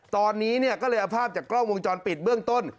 ตอนนี้ก็เลยเอาภาพจากกล้องวงจรปิดเบื้องต้น